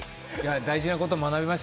大事なこと学びました。